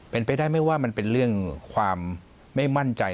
เป็นไปได้ไหมว่ามันเป็นเรื่องความไม่มั่นใจ